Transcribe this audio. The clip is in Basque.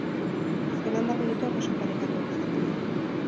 Azken hamar minutuak oso parekatuak izan dira.